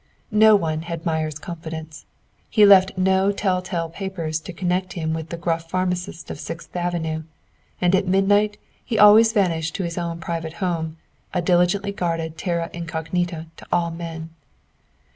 No one had Meyer's confidence; he left no tell tale papers to connect him with the gruff pharmacist of Sixth Avenue, and at midnight he always vanished to his own private home, a diligently guarded terra incognita to all men.